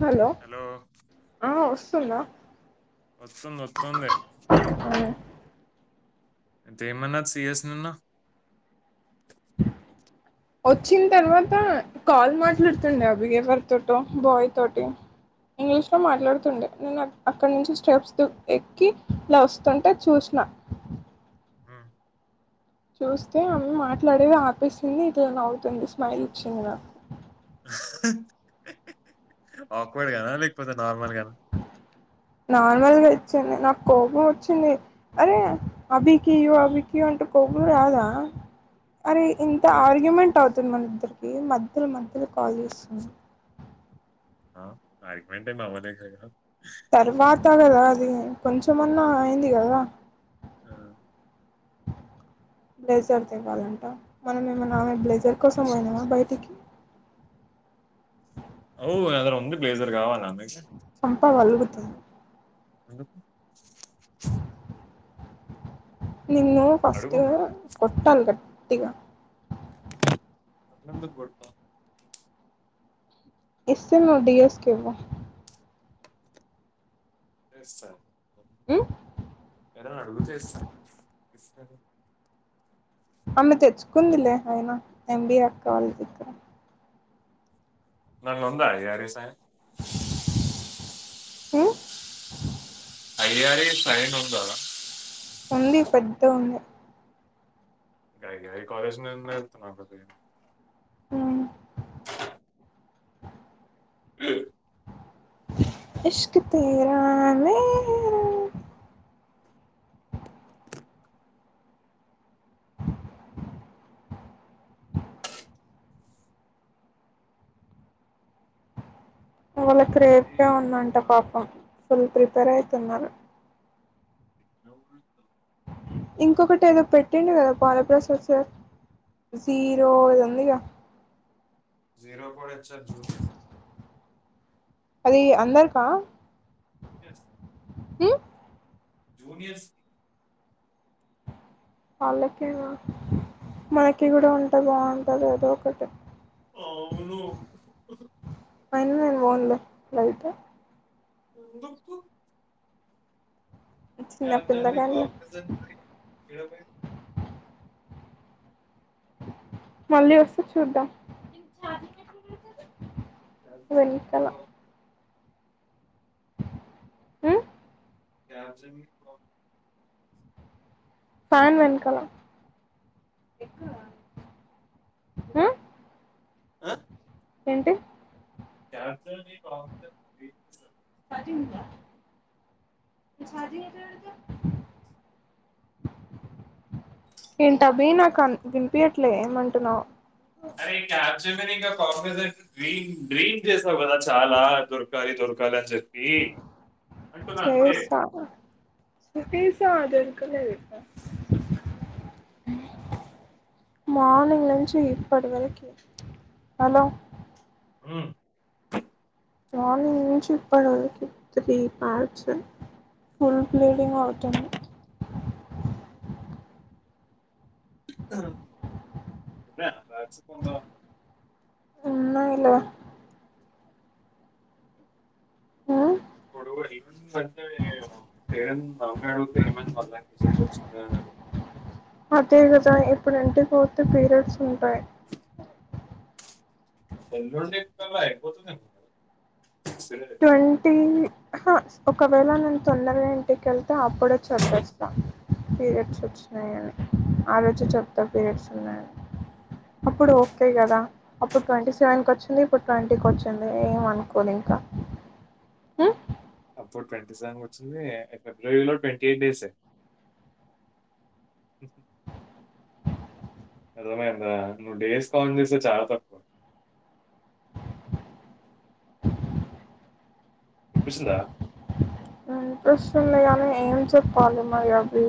Hello ఆ వస్తుంద వస్తుంది వస్తుంది తేమన్నారు సి ఎస్ నన్ను వచ్చిన తర్వాత కాల్ మాట్లాడుతుండే అభి ఎవరు తోటో బాయ్ తోటి ఇంగ్లీష్ లో మాట్లాడుతుండే నేను అక్కడ నుంచి స్టెప్స్ దు ఎక్కి ఇలా వస్తుంటే చూసిన మ్మ్ చూస్తే ఆమె మాట్లాడేది ఆపేసింది ఇట్లా నవ్వుతుంది స్మైల్ ఇచ్చింది నాకు ఆక్వర్డ్ గానా లేకపోతే నార్మల్ గానా నార్మల్గా ఇచ్చింది నాకు కోపం వచ్చింది అరే అభికీయు అభికీయు అంటే కోపం రాదా అరే ఇంత అరే ఆర్గ్యుమెంట్ అవుతు థిన్ మన ఇద్దరికీ మధ్యలో మధ్యలో కాల్ చేస్తుంది ఆ ఆర్గుమెంట్ ఏం అవలేదు కద తర్వాత కదా అది కొంచమన్నా అయింది కదా హ్మ్ బ్లేజర్ తివాలంట మనం ఏమనా ఆమె బ్లేజర్ కోసం పోయినామ బయటికి అవు నా దగ్గర ఉంది బ్లేజర్ కావల్నా మీకు చంప పలుగుతది ఎందుకు నిన్ను ఫస్ట్ అడుగు కొట్టలీ గట్ టిగ నన్ను ఎందుకు కొడతావ్ ఇస్తే నువ్వు డి ఎస్ కేళ్ళు ఇస్త ఉమ్ ఎవరన్న అడుగుతే ఇస్త ఇస్త లే అమ్మె తెచ్చుకుందిలే అయిన ఎంబిఏ అక్కవల్ల దగ్గర [unintelligible] యారీ సాయ హ్మ్ అయ్యాయి సైన్ ఉండల ఉంది పెద్ద ఉంది గైకియి కాలేజ్ [unintelligible] ఉమ్ ఇష్క్ తేరా మేర వాళ్ళ కి మరి రేపే ఉందంట పాపం [unintelligible] త్తరు అయితున్నారు ఇంకొకటి ఏదో పెట్టిండు కదా బాల ప్రసాద్ సార్ జీరో ఇది ఉందిగా జీరో కూడా [unintelligible] అది అందరికా జూనియర్స్ హ్మ్ జూనియర్స్ కి వాళ్ళకేనా మనకి గూడా ఉంటే బాగుంటది ఏదో ఒకటి అవును వెళ్తే ఎందుకు చిన్న పిల్లగాన్లే [inaudible] మళ్ళీ వస్తే చూద్దాం చజప్ప వెనకాల ఉ కాచ్చా ఫ్యాన్ వెనకల ఆ ఏంటి క్యాబ్ జమిని కాగ్నిజెంట్ డ్రీమ్ చేశావు. ఏంటబి నాకు వినిపయట్లే ఏమంటున్నావు అరే మకాండ డ్రీమ్ చేసావు కదా చాలా దొరకాలి దొరకాలి అని చెప్పి అంటున అంతే ఆ. కుస్దడుకులేదు మార్నింగ్ నుంచి ఇప్పటి వరకి హలో ఉ మార్నింగ్ నుంచి ఇప్పటివరకు త్రీ ప్యాట్స్ ఫుల్ బ్లీడింగ్ అవుతుంది ఉన్నా, రాచకొండ ఉన్నయిలే ఆ ఇడుగా హమన్ అ హరన్ నవంగా అడుగుతే హమన్ మళ్ళజలు వచ్చి అగుా అదే కదా ఇప్పుడు ఎంటి ఫర్త్ పీరియడ్స్ ఉంటాయి పల్ండిే క ఎపోతు ట్వంటీ హ ఒకవేళ నేను తొందరగా ఇంటికెళ్ అప్పుడే చంపేస్తా పీరియడ్స్ వచ్చినాయని ఆ రచు చెప్తా పీరియడ్స్ ఉన్నాయని అప్పుడు ఓకే కదా అప్పుడు ట్వంటీ సెవెన్కి వచ్చింది ఇప్పుడు ట్వంటీకి వచ్చింది ఏమ అనుకోదు ఇంకా ఉ అప్పుడు ట్వంటీ సెవెన్ వచ్చింది ఫిబ్రవరిలో ట్వంటీ ఎయిట్ డేస్ అదమందా నువ్వు డేస్ కాన్ చేస్తే చాలా తక్కువ ఇనిపిస్తుందా ప్రశ్న ఉన్నా కానీ ఏం చెప్పాలి మరి అవి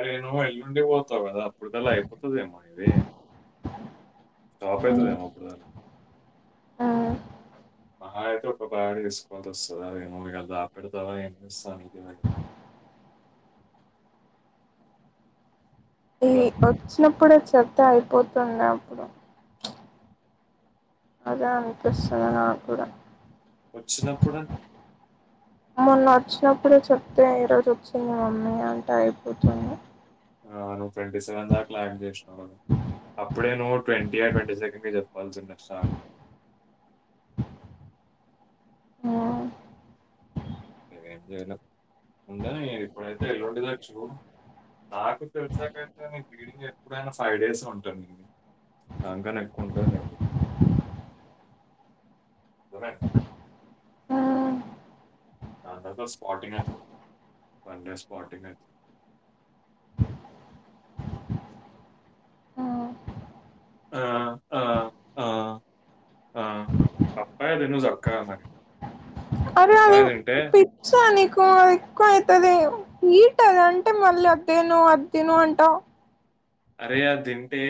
అరే ను్ ఎల్లుండి పోతావు కదా అప్పటికల్లా అయిపోతుదేమో ఇది స్టాప్ అయితదేమో అప్పుడుదల్లా ఆ అహ అయితే ఒక బగా తీసుకోవాల్సి వస్తుంది అదేమో దాపెడతావా ఏం చేస్తావళ ఈ ఇక్కడ వచ్చినప్పుడు చెప్తే అయిపోతున్న అప్పుడు అదే అనిపిస్తుంది నాక్కూడా వచ్చినప్పుడా మొన్న వచ్చినప్పుడే చెప్తే ఈ రోజు వచ్చింది మమ్మీ అంటే అయిపోతుంది అవును ట్వంటీ సెవెన్ దాక లాక్ చేసినా ఇప్పుడేను ట్వంటీ ఆర్ ట్వంటీ సెకండ్ కి చెప్పాల్సి నా [unintelligible] హ్మ్ మేమేం చేయలేం ఉండనీ ఇప్పుడైతే ఎల్లుండేదో చూడు నాకు తెలిసాకైతే న వీడింగ్ ఎప్పుడైనా ఫైవ్ డేస్ ఉంటాంది దానికన్నా ఎక్కువ ఉండదు నీకు మ్మ్. నాతో స్పటింగ్ ప స్పటింగ్ [unintelligible] మ్మ్. ఆ ఆ ఆ ఆ అప్పాదన్న అక్కా అనాలి అరే అది పిచ్చ నీకు ఎక్కువ అయితది హీట్ అది అంటే మళ్ళీ అద్దిను అద్దిను అంటావ్ అరే అ తింటే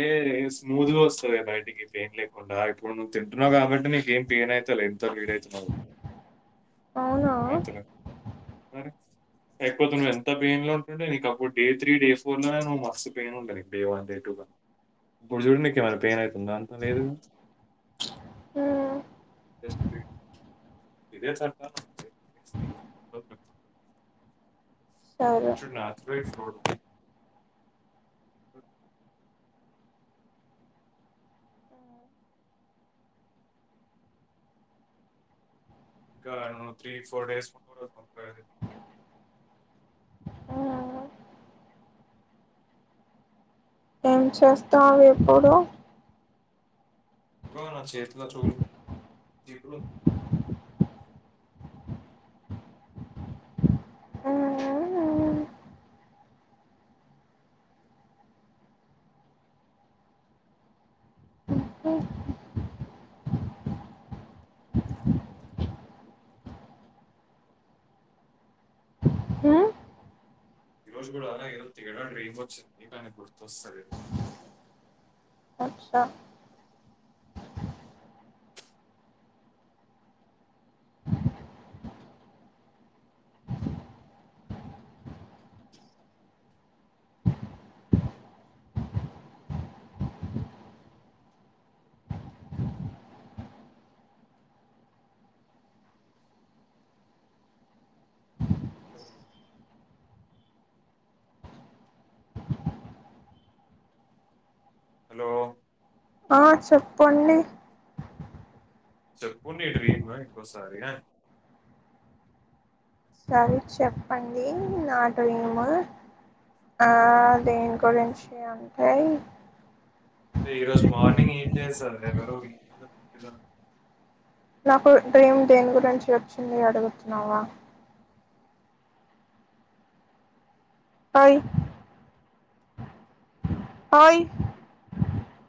స్మూద్గా వస్తుంది బయటికి పెయిన్ లేకుండా ఇప్పుడు నువ్వు తింటున్నావు కాబట్టి నీకేం పెయిన్ అవుతు ఎంత బ్లేడ్ అయితున్నా అవునా ఆ తిను మరి లేకపోతే నువ్వు ఎంత పెయిన్ లో ఉంటండే నీకు అప్పుడు డే త్రీ డే ఫోర్ లోనే నువ్వు మస్ పెయిన్ ఉండడి డే వన్ డే టూ ఇప్పుడు చూడు నీకు ఏమైనా పెయిన్ అయి తుంద లేదు మ్మ్. గ ఇదే స ఒకే సరే ఇట్స్ షుడ్ నాచురలీ ఫ్లోట్ ఇంకా ను త్రీ ఫోర్ డేస్ [inaudible] ఊహు ఏం చేస్తావ్ ఈప్పుడు ఇగో నా చే [unintelligible] చూడు మ్మ్. మ్మ్. ఈ రోజు కూడ అలాగ తేడ డ్రీమ్ వచ్చికాని గుర్తస్తలేదు అ హ్మ్ హలో ఆ చెప్పండి చెప్పు న డ్రీము ఎట్లోస్థాధి సరే చెప్పండి నా డ్రీమ్ ఆ దేని గురించి అంటే ఈ రోజు మార్నింగ్ ఏం చేశారు ఈవనింగ్ సేవర నాకు డ్రీమ్ దేన్ గురించి వచ్చింది అని అడుగుతున్నావ ఓయ్ ఓయ్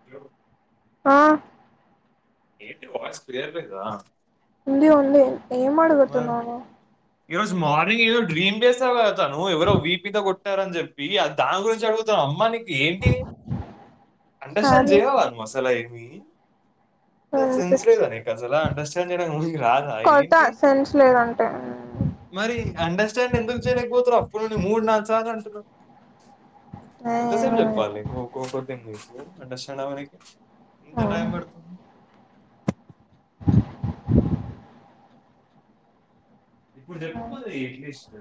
అలో ఆ ఏంటి వాయిస్ క్లియర్లేదా ఉంది ఉంది ఏం అడుగుతున్నావ్ నువ్వు ఈ రోజు మార్నింగ్ ఈరోజు డ్రీమ్ పేసా కతాను ఎవరో విప్ మీద కొట్టారని చెప్పి దాని గురించి అడుగుతాను అమ్మా ఏంటి అండర్స్టాండ్ సరే చేయావ అసలు ఏమి వినిపించ్ సెన్స్లేదానేకసలా అండర్స్టాండ్ చేయడానికి ముందుకి రాద కొడతా ఏంటి సెన్స్ లేదంటే మరి మరి అండర్స్టాండ్ ఎందుకు చేయలేక పోతున్నావ్ అప్పుడు మూడు నాలుగు సార్లు అంటున్న ఎంత సేపు చెప్పాలి నీకు గో గో [unintelligible] అండర్స్టాండ్ అవ్వదు ఎంత టైం పడుత్ ఇప్పుడు చెప్ మరి ఎట్లీస్ట్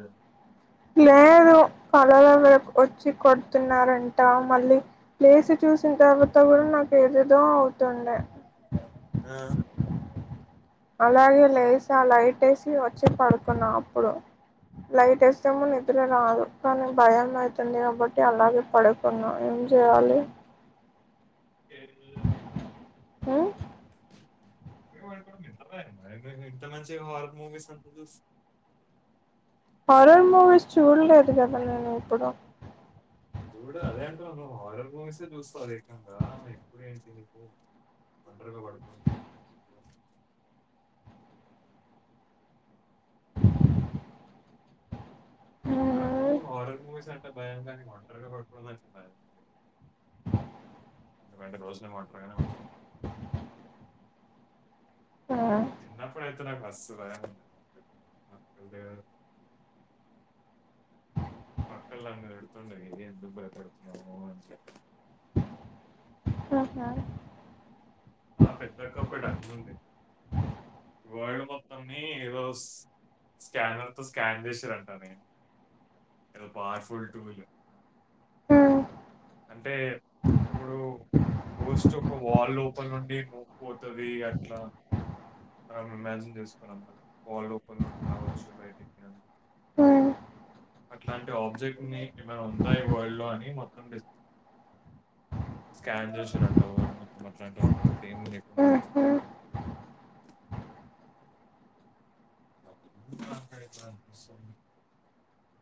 కళలువ వచ్చి కొడుతున్నారంట మళ్ళీ ప్లేస్ చూసిన తర్వాత కూడా నాకు ఏదేదో అవుతుండే ఆ అలాగే లేస్ ఆ లైట్ వేసి వచ్చి పడుకున్నా అప్పుడు లైట్ వేస్తేమో నిద్ర రాదు కానీ భయం అయితుంది కాబట్టి అలాగే పడుకున్నా ఏం చేయాలి [unintelligible] ఊ [unintelligible] ఇంత మంచిగా వారక్ మూవీస్ అంత చూస్ హారర్ మూవీస్ చూడలేదు కదా నేను ఇప్పుడు చూడు అదే అంటున్న నువ్ హారర్ చూస్తా అదేకంగా ఇప్పుడేంటి నీకు ఒంటరిగా పడుకో [inaudible] మరే నాకు ఉమ్ హరర్ మూవీస్ అం టే భయం గాని ఒంటరిగా పడుకో [inaudible] రెండు రోజులు ఒంటరగానే ఉమ్ చిన్నప్పుడైతే నాక్ మస్త్ భయం [inaudible] మక్కల్ నన్ను తిడుతుండే ఎందుకు భయపడుతున్నావ్ అని ప్లస్ అల్ నా పెద్దక్క ఒక డన్ ఉంది వరల్డ్ మొత్తాన్ని ఏదో స్కానర్ తో స్కాన్ చేశారంట నేన్ ఏదో పవర్ఫుల్ టూల్ ఉమ్ అంటే ఇప్పుడు గోస్ట్ ఒక వాల్ ఓపన్ నుండి మూవ్ పోతది అట్లా మనం ఇమాజిన్ చేసుకున్నాం కదా వాల్ ఓపన్ నుండి రావచ్చు బయటికి అని ఉమ్ అట్లాంటి ఆబ్జెక్ట్ ని ఏమైనా ఉందా వరల్డ్ లో అని మొత్తం డిస్ స్కాన్ చూశారంట వారు మొత్తం అట్లాంటి ఆబ్జెక్ట్ ఏం అ లేకుండా ఆ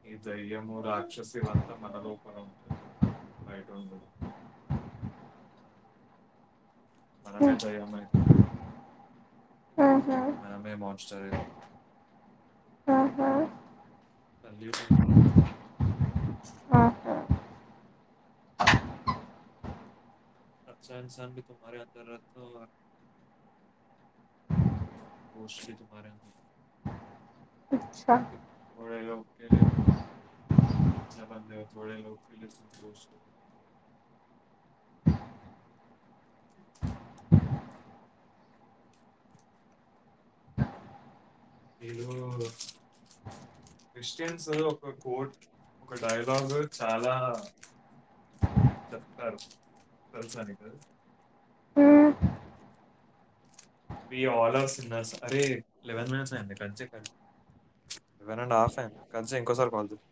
ఈ దయ్యము రాక్షసి అంతా మన లోపల ఉంటది బయటుండదు మనమే ఉమ్ దెయ్యం అయితాం ఆ మనమే మంస్టర్ ఆహా [inaudible] ఆఫ్టర్ అచ్చా [inaudible] మోష్ట్లీ తుమారో [inaudible] అచ్చా [inaudible] వీరు క్రిస్టియన్స్ ఒక కోట్ ఒక డైలాగ్ చాలా చెప్తారు తెలుసా నీకు అది ఊ వి అల్ ఆర్ అరే లెవెన్ మినిట్స్ అయింది కట్ చెయ్ కట్ చెయ్ లెవెన్ అండ్ హఫ్ అయింది కట్ చెయ్ ఇంకొసారి కాల్ చెయ్